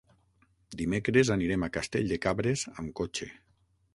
Dimecres anirem a Castell de Cabres amb cotxe.